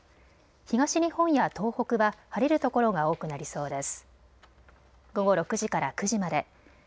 東日本や東北は晴れるところが多くなりそうです。